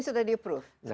sudah di approve